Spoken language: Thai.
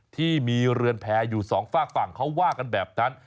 ที่มีเรือนแพร่อยู่สองฝากฝั่งเขาว่ากันแบบนั้น